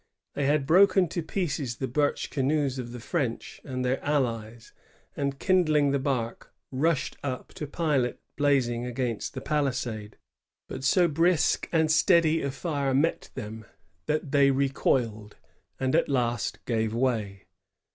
They had broken to pieces the birch canoes of the French and their allies, and, kindling the bark, rushed up to pile it blazing against the palisade; but so brisk and steady a fire met them that they recoiled, and at last gave way.